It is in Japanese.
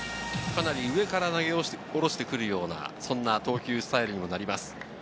上から投げ下ろしてくるような投球スタイルになります。